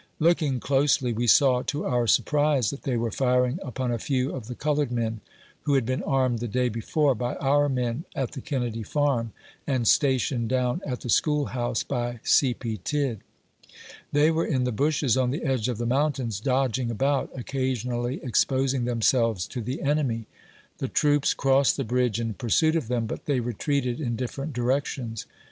Looking closely, we saw, to our surprise, that they were firing upon a few of the colored men, who had been armed the day before by our men, at the Kennedy Farm, and stationed down at the school house by C. P. Tidd. They were in the bushes on the edge of the mountains, dodging about, occasionally exposing themselves to the enemy. The troops crossed the bridge in pursuit of them, but they retreated in different directions.